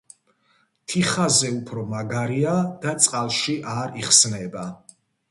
თიხაზე უფრო მაგარია და წყალში არ იხსნება.